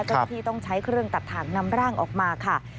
เจ้าหน้าที่ต้องใช้เครื่องตัดถ่างนำร่างออกมาค่ะ